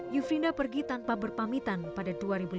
yufrinda pergi tanpa berpamitan pada dua ribu lima belas